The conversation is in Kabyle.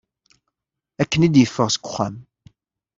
Akken i d-yeffeɣ seg uxxam.